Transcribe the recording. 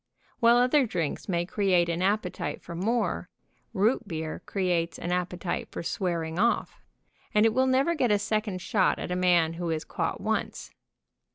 While other drinks may create an appe tite for more, root beer creates an appetite for swear ing off, and it will never get a second shot at a man who is caught once.